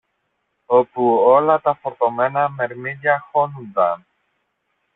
όπου όλα τα φορτωμένα μερμήγκια χώνουνταν